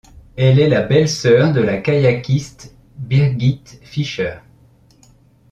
Elle est la belle-sœur de la kayakiste Birgit Fischer.